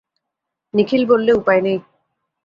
নিখিল বললে উপায় নেই।